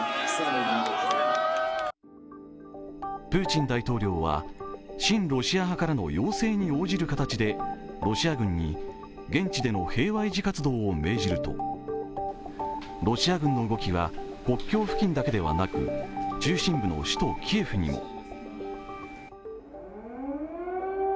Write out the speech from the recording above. プーチン大統領は、親ロシア派からの要請に応じる形でロシア軍に現地での平和維持活動を命じるとロシア軍の動きは国境付近だけではなく中心部の首都キエフにも。